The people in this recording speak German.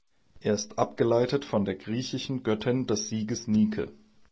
Er ist abgeleitet von der griechischen Göttin des Sieges Nike.